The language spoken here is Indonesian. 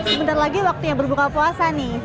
sebentar lagi waktunya berbuka puasa nih